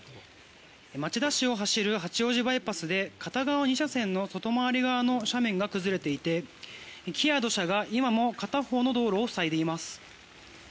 町田市を走る八王子バイパスで片側２車線の外回り側の斜面が崩れていて、木や土砂が今も片方の道路を塞いでいます。